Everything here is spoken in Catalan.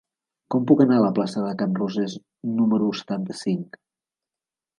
Com puc anar a la plaça de Can Rosés número setanta-cinc?